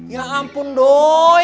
ya ampun doi